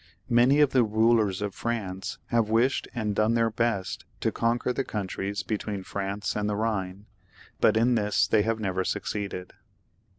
Many of the rulers of. France have wished and done their best to conquer the countries between France and the Ehine, but in this they have never succeeded.